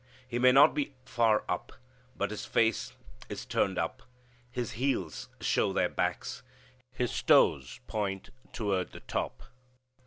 He may not be far up, but his face is turned up. His heels show their backs. His toes point toward the top.